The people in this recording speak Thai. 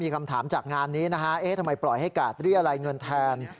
มีคำถามจากงานนี้ทำไมปล่อยให้เกาะเรียกอะไรเงินแทน